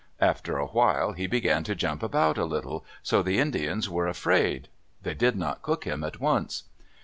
After a while he began to jump about a little, so the Indians were afraid. They did not cook him at once.